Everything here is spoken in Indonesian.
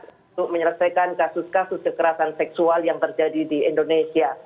untuk menyelesaikan kasus kasus kekerasan seksual yang terjadi di indonesia